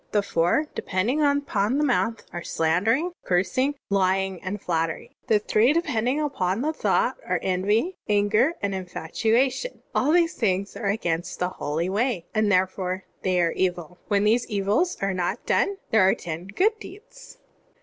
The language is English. The four depending upon the mouth are: slan* dering, cursing, lying, and flattery. The three depending upon thought are: envy, anger, and infatuation. All these things are against the Holy Way, and therefore they are evil. "When these evils are not done, there are ten good deeds."